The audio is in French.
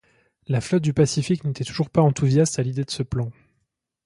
La Flotte du Pacifique n'était toujours pas enthousiaste à l'idée de ce plan.